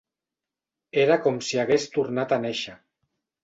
Era com si hagués tornat a néixer.